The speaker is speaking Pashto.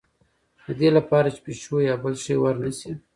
د دې لپاره چې پیشو یا بل شی ور نه شي.